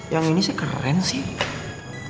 yang ini sih keren sih